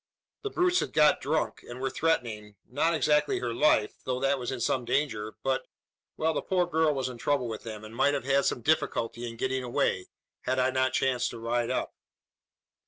The brutes had got drunk; and were threatening not exactly her life though that was in some danger, but well, the poor girl was in trouble with them, and might have had some difficulty in getting away, had I not chanced to ride up."